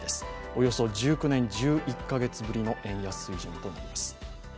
およそ１９年１１カ月ぶりの円安水準となります。